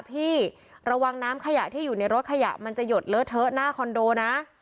พี่ระวังน้ำขยะที่อยู่ในรถขยะมันจะหยดเลอะเทอะหน้าคอนโดนะ